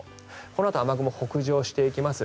このあと雨雲は北上していきます。